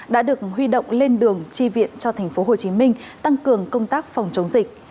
đã được huy động lên đường chi viện cho thành phố hồ chí minh tăng cường công tác phòng chống dịch